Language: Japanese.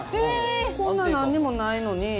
こんななんにもないのに。